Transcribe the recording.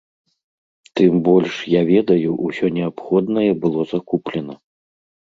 Тым больш, я ведаю, усё неабходнае было закуплена.